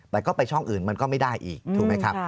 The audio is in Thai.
แต่ก็ไปช่องอื่นมันก็ไม่ได้อีกถูกไหมครับ